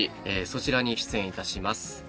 そちらに出演いたします。